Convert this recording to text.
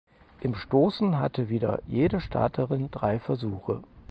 Im Stoßen hatte wieder jede Starterin drei Versuche.